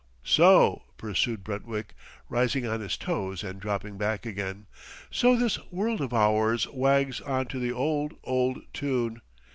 so!" pursued Brentwick, rising on his toes and dropping back again; "so this world of ours wags on to the old, old tune!...